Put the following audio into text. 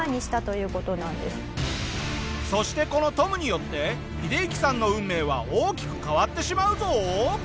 そしてこのトムによってヒデユキさんの運命は大きく変わってしまうぞ！